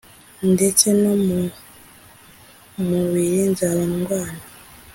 ndetse no mu mubiri nzaba ndwana.